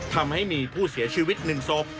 ทำให้มีผู้เสียชีวิต๑ศพ